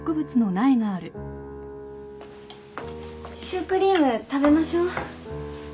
シュークリーム食べましょう。